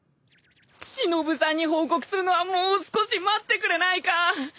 しのぶさんに報告するのはもう少し待ってくれないか？